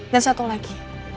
dan satu lagi